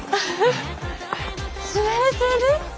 滑れてる？